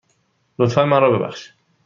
لطفاً من را ببخش.